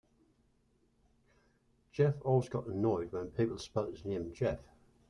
Geoff always got annoyed when people spelt his name Jeff.